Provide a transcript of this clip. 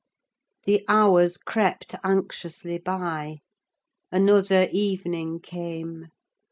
The hours crept anxiously by: another evening came.